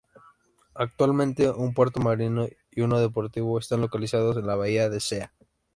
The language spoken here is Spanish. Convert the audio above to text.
Actualmente un puerto marino y uno deportivo están localizados en la bahía de Zea.